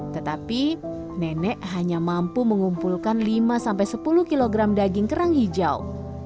tetapi nenek hanya mampu mengumpulkan lima sepuluh kg daging kerang hijau